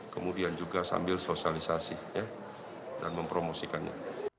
kemudian juga sambil sosialisasi dan mempromosikannya